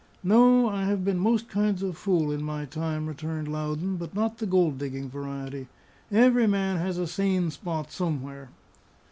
"No. I have been most kinds of fool in my time," returned Loudon, "but not the gold digging variety. Every man has a sane spot somewhere."